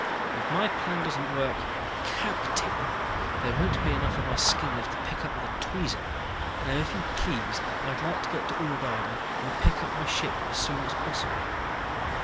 "If my plan doesn't work, captain there won't be enough of my skin left to pick up with a tweezer. Now if you please, I'd like to get to Udrydde and pick up my ship as soon as possible."